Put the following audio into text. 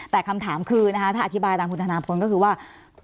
แต่คำถามคือถ้าอธิบายตามคุณธนาพลก็คือว่า